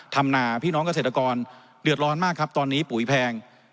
นาพี่น้องเกษตรกรเดือดร้อนมากครับตอนนี้ปุ๋ยแพง